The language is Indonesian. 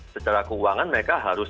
secara keuangan mereka harus